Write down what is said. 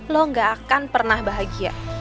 lo gak akan pernah bahagia